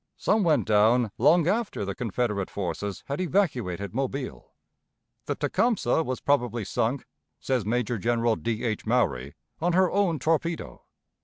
Some went down long after the Confederate forces had evacuated Mobile. The Tecumseh was probably sunk, says Major General D. H. Maury, on her own torpedo.